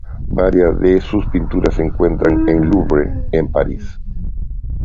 Varias de sus pinturas se encuentran en el Louvre, en París.